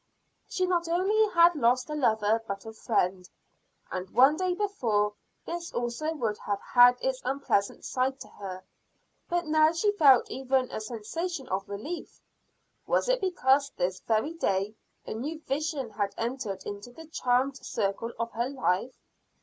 She not only had lost a lover, but a friend. And one day before, this also would have had its unpleasant side to her. But now she felt even a sensation of relief. Was it because this very day a new vision had entered into the charmed circle of her life?